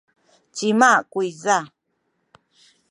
cima kuyza?